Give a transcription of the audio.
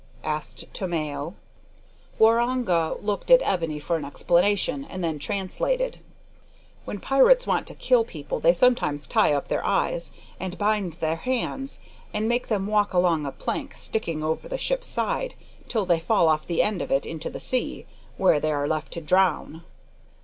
asked Tomeo. Waroonga looked at Ebony for an explanation, and then translated "When pirates want to kill people they sometimes tie up their eyes, and bind their hands, and make them walk along a plank stickin' over the ship's side, till they fall off the end of it into the sea, where they are left to drown."